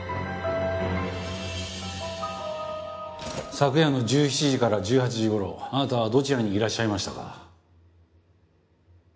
昨夜の１７時から１８時頃あなたはどちらにいらっしゃいましたか？